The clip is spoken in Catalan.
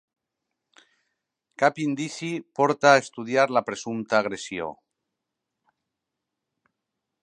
Cap indici porta a estudiar la presumpta agressió